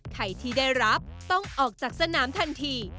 ใครที่ได้รับต้องออกจากสนามทันที